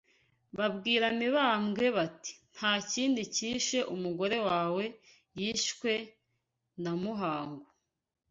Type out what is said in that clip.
Babwira Mibambwe bati Nta kindi kishe umugore wawe yishwe na Muhangu